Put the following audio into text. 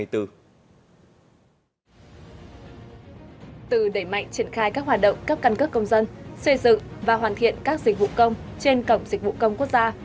từ đẩy mạnh triển khai các hoạt động cấp căn cấp công dân xây dựng và hoàn thiện các dịch vụ công trên cổng dịch vụ công quốc gia